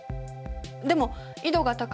でも緯度が高い